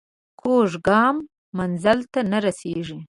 کوږ ګام منزل ته نه رسېږي